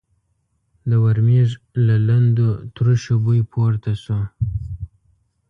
د ورمېږ له لندو تروشو بوی پورته شو.